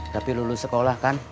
tapi lulus sekolah kan